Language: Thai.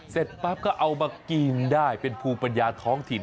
เสร็จปั๊บก็เอามากินได้เป็นภูมิปัญญาท้องถิ่น